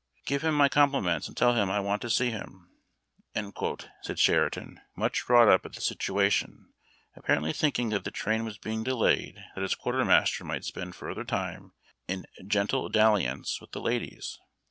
"Give him my compliments and tell him I want to see liim," said Sheridan, much wrought u[) at the situation, appar ently thinking that the train was being delayed that its quar termaster might spend further time "in gentle dalliance " with the ladies.